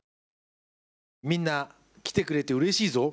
みんな、来てくれてうれしいぞ。